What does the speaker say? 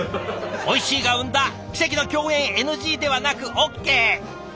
おいしいが生んだ奇跡の共演ＮＧではなくＯＫ！